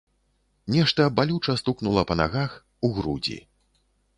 Нешта балюча стукнула па нагах, у грудзі.